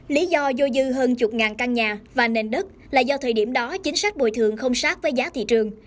lý do vô dư hơn chục ngàn căn nhà và nền đất là do thời điểm đó chính sách bồi thường không sát với giá thị trường